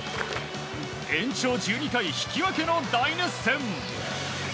延長１２回引き分けの大熱戦！